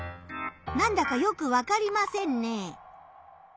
なんだかよくわかりませんね。